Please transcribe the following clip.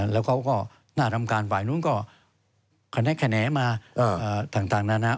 แล้วเขาก็น่ารำคาญฝ่ายนู้นก็แขนะแขนะมาทางนานา